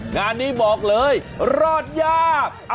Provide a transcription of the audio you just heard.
งานนี้บอกเลยรอดยาก